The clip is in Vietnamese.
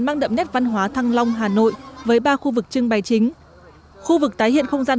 mang đậm nét văn hóa thăng long hà nội với ba khu vực trưng bày chính khu vực tái hiện không gian